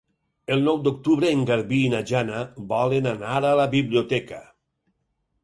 El nou d'octubre en Garbí i na Jana volen anar a la biblioteca.